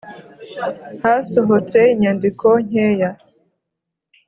Hasohotse inyandiko nkeya.